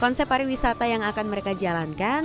konsep pariwisata yang akan mereka jalankan